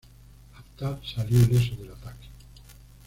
Haftar salió ileso del ataque.